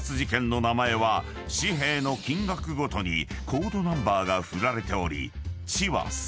［紙幣の金額ごとにコードナンバーが振られており「チ」は千。